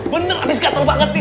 bener habis gatel banget nih